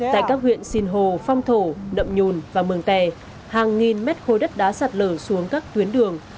tại các huyện sinh hồ phong thổ đậm nhùn và mường tè hàng nghìn mét khối đất đá sạt lở xuống các tuyến đường